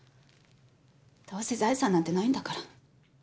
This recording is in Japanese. どうせ財産なんてないんだから。